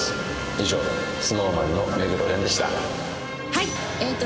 以上ＳｎｏｗＭａｎの目黒蓮でしたはいえっと